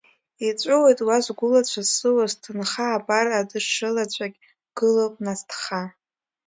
Иҵәыуеит уа сгәылацәа, сыуа, сҭынха, абар, адышшылацәагь гылоуп насҭха.